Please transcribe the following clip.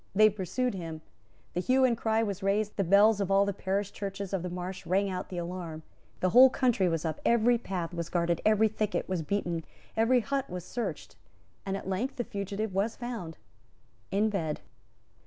They pursued him; the hue and cry was raised; the bells of all the parish churches of the Marsh rang out the alarm; the whole country was up; every path was guarded; every thicket was beaten; every hut was searched; and at length the fugitive was found in bed.